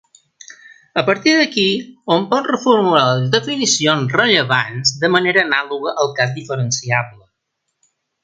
A partir d'aquí, hom pot reformular les definicions rellevants de manera anàloga al cas diferenciable.